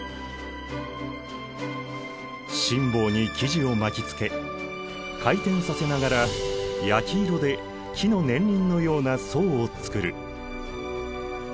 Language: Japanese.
心棒に生地を巻きつけ回転させながら焼き色で木の年輪のような層を作る。